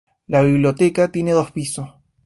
La biblioteca tiene dos pisos.